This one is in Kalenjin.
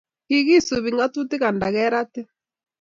Kikisupi ng'atutik anda keratin